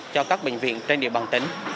cho các bệnh viện trên địa bàn tỉnh